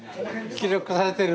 記録されてるの？